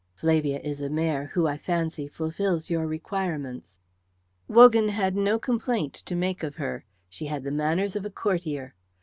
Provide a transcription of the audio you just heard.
"Flavia is a mare who, I fancy, fulfils your requirements." Wogan had no complaint to make of her. She had the manners of a courtier.